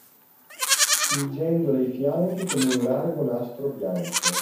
Cingendole i fianchi, come un largo nastro bianco.